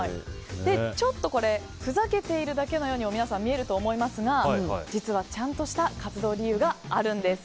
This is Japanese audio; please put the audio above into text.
ちょっとふざけているだけのようにも皆さん、見えると思いますが実はちゃんとした活動理由があるんです。